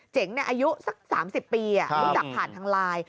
เจ๋งอายุสัก๓๐ปีรู้จักผ่านทางไลน์